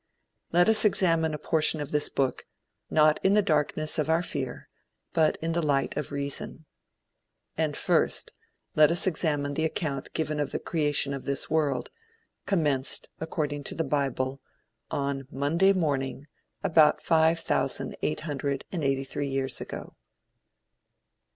Let us examine a portion of this book, not in the darkness of our fear, but in the light of reason. And first, let us examine the account given of the Creation of this world, commenced, according to the bible, on Monday morning about five thousand eight hundred and eighty three years ago.